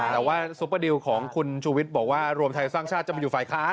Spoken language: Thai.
แต่ว่าซุปเปอร์ดิวของคุณชูวิทย์บอกว่ารวมไทยสร้างชาติจะมาอยู่ฝ่ายค้าน